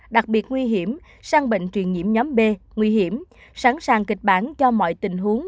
đặc biệt nguy hiểm sang bệnh truyền nhiễm nhóm b nguy hiểm sẵn sàng kịch bản cho mọi tình huống